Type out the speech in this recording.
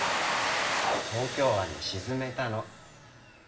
東京湾に沈めたの。